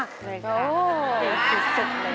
เก่งสุดเลย